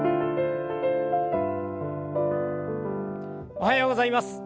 おはようございます。